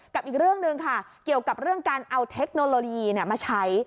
กับอีกเรื่องใช่ไหมคะเกี่ยวกับการเอาเทคโนโลยีมาใช้